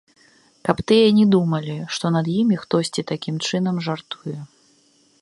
Каб тыя не думалі, што над імі хтосьці такім чынам жартуе.